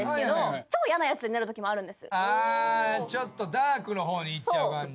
あちょっとダークの方にいっちゃう感じ。